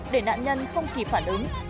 để nạn nhân không kịp phản ứng